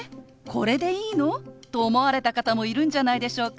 これでいいの？」と思われた方もいるんじゃないでしょうか。